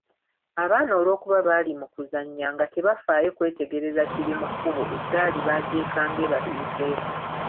Abaana olw'okuba baali mu kuzannya nga tebafaayo kwetegereza kiri mu kkubo eggaali bagyekanga ebatuseeko.